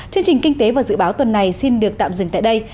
chương trình kinh tế và dự báo tuần này xin được tạm dừng tại đây